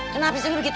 kenapa sendiri begitu